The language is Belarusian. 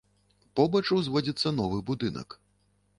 Побач узводзіцца новы будынак.